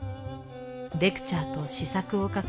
レクチャーと試作を重ね